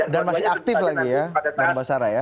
dan masih aktif lagi ya pak mbak sarah ya